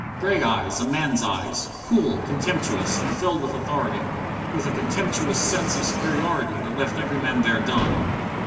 Grey eyes, a man's eyes, cool, contemptuous, and filled with authority, with a contemptuous sense of superiority that left every man there dumb.